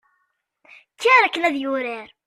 kker akken ad yurar